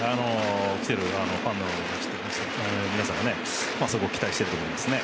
来ているファンの皆さんも期待していると思いますね。